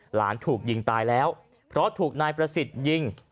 หลานถูกยิงตายแล้วเพราะถูกนายประสิทธิ์ยิง